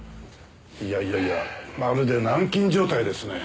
いやいやいやまるで軟禁状態ですね。